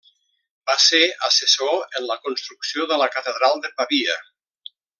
Va ser assessor en la construcció de la catedral de Pavia.